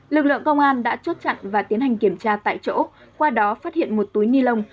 lực lượng công an đã chốt chặn và tiến hành kiểm tra tại chỗ qua đó phát hiện một túi ni lông